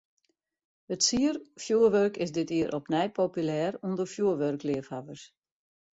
It sierfjurwurk is dit jier opnij populêr ûnder fjurwurkleafhawwers.